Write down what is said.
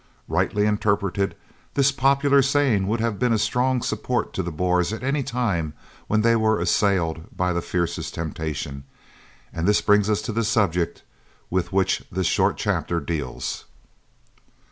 Rightly interpreted, this popular saying would have been a strong support to the Boers at a time when they were assailed by the fiercest temptation, and this brings us to the subject with which this short chapter deals.